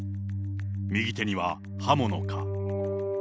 右手には刃物か。